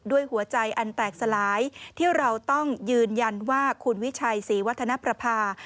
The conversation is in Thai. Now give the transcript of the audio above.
หัวใจอันแตกสลายที่เราต้องยืนยันว่าคุณวิชัยศรีวัฒนประภา